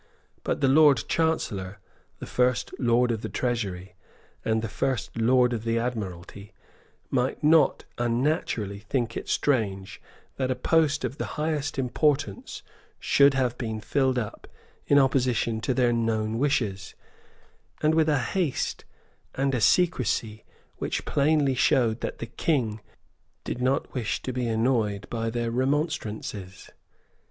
But the Lord Chancellor, the First Lord of the Treasury, and the First Lord of the Admiralty, might not unnaturally think it strange that a post of the highest importance should have been filled up in opposition to their known wishes, and with a haste and a secresy which plainly showed that the King did not wish to be annoyed by their remonstrances.